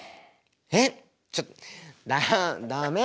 えっちょっと駄目！